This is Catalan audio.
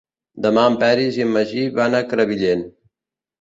Demà en Peris i en Magí van a Crevillent.